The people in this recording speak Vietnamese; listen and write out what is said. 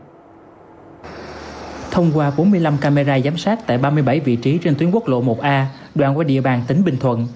thông qua bốn mươi năm camera giám sát tại ba mươi bảy vị trí trên tuyến quốc lộ một a đoạn qua địa bàn tỉnh bình thuận